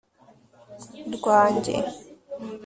rwanjye